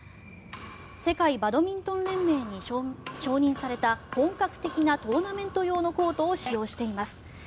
世界バドミントン連盟に承認された本格的なトーナメント用のコートを使用しています。